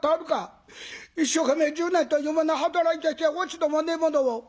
一生懸命１０年というもの働いて落ち度もねえものを。